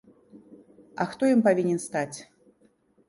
А хто ім павінен стаць?